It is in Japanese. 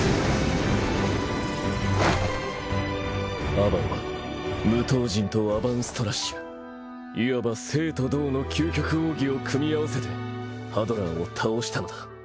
アバンは無刀陣とアバンストラッシュいわば静と動の究極奥義を組み合わせてハドラーを倒したのだ。